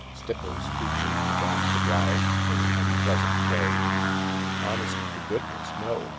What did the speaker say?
Stipples' features began to writhe in an unpleasant way. "Honest to goodness, no!"